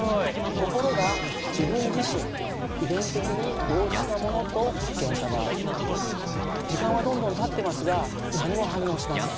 ところが自分自身遺伝的に同質なものと実験をした場合時間はどんどんたってますが何も反応しません。